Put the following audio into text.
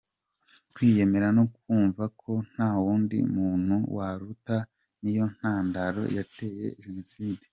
Kwiyemera no kumva ko nta wundi muntu waturuta niyo ntandaro yateye genocide!